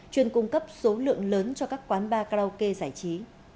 chuyên cung cấp số lượng lớn cho các quán bar karaoke giải trí